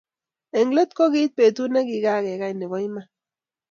Eng let ko kiit betut ne kikakekeny nebo iman